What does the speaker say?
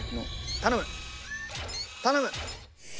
頼む！